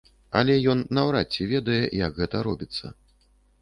Але ён наўрад ці ведае, як гэта робіцца.